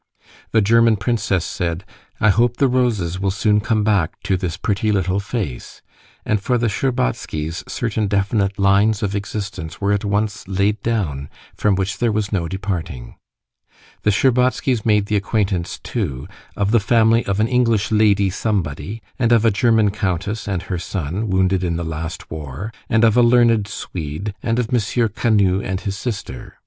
The German princess said, "I hope the roses will soon come back to this pretty little face," and for the Shtcherbatskys certain definite lines of existence were at once laid down from which there was no departing. The Shtcherbatskys made the acquaintance too of the family of an English Lady Somebody, and of a German countess and her son, wounded in the last war, and of a learned Swede, and of M. Canut and his sister.